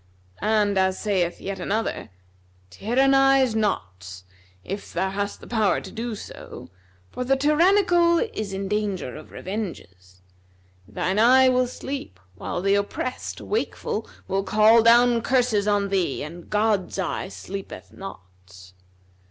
And as saith yet another,[FN#260] 'Tyrannize not, if thou hast the power to do so; for the tyrannical is in danger of revenges. Thine eye will sleep while the oppressed, wakeful, will call down curses on thee, and God's eye sleepeth not.'